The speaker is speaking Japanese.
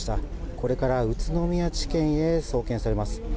これから宇都宮地検へ送検されます。